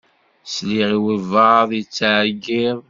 Sliɣ i wabɛaḍ yettɛeggiḍ.